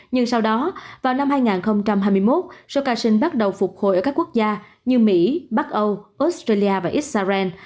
nhưng sau đó vào năm hai nghìn hai mươi một số ca sinh bắt đầu phục hồi ở các quốc gia như mỹ bắc âu australia và israel